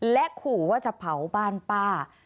และขู่ว่าจะเผาบ้านป้า